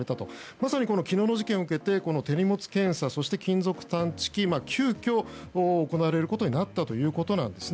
まさに昨日の事件を受けて手荷物検査そして金属探知機急きょ、行われることになったということです。